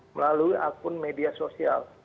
melalui akun media sosial